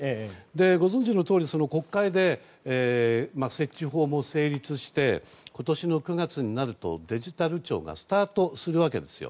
ご存じのとおり国会で設置法も成立して今年の９月になるとデジタル庁がスタートするわけですよ。